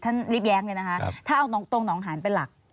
ท่านลิฟต์แยงเนี่ยนะคะถ้าเอาตรงน้องหาญเป็นหลัก